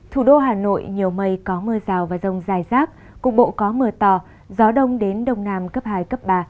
thủ đô hà nội nhiều mây có mưa rào và rông dài rác cục bộ có mưa to gió đông đến đông nam cấp hai cấp ba